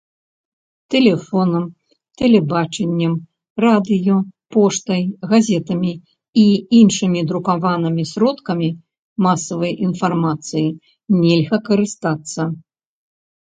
Тэлефонам, тэлебачаннем, радыё, поштай, газетамі і іншымі друкаванымі сродкамі масавай інфармацыі нельга карыстацца.